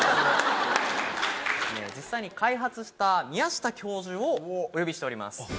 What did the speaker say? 実際に開発した宮下教授をお呼びしております。